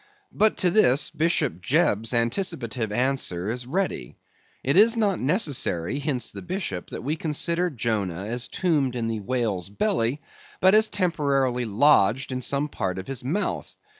But, to this, Bishop Jebb's anticipative answer is ready. It is not necessary, hints the Bishop, that we consider Jonah as tombed in the whale's belly, but as temporarily lodged in some part of his mouth.